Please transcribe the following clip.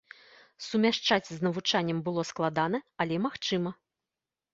Сумяшчаць з навучаннем было складана, але магчыма.